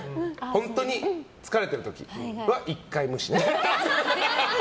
本当に疲れてる時は１回無視ね。